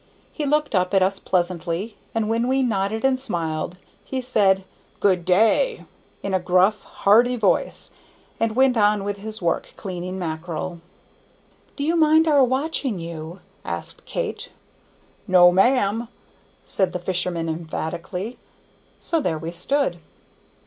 He looked up at us pleasantly, and when we nodded and smiled, he said "Good day" in a gruff, hearty voice, and went on with his work, cleaning mackerel. "Do you mind our watching you?" asked Kate. "No, ma'am!" said the fisherman emphatically. So there we stood.